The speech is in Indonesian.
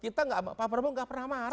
kita pak prabowo gak pernah marah